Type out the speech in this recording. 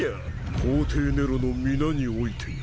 皇帝ネロの御名において。